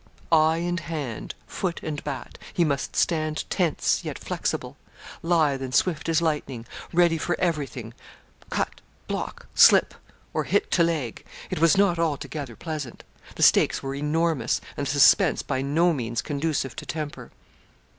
Eye and hand, foot and bat, he must stand tense, yet flexible, lithe and swift as lightning, ready for everything cut, block, slip, or hit to leg. It was not altogether pleasant. The stakes were enormous! and the suspense by no means conducive to temper.